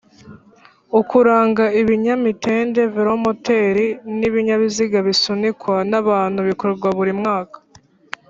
Ukuranga ibinyamitende, velomoteri n'ibinyabiziga bisunikwa n'abantu bikorwa buri mwaka